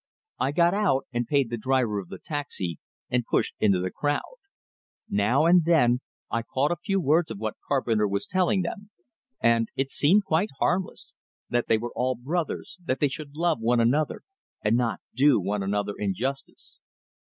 I got out, and paid the driver of the taxi, and pushed into the crowd. Now and then I caught a few words of what Carpenter was telling them, and it seemed quite harmless that they were all brothers, that they should love one another, and not do one another injustice.